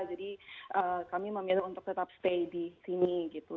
jadi kami memilih untuk tetap stay di sini gitu